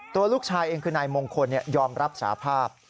ตัวลูกชายเองคือนายมงคลยอมรับสาภาพ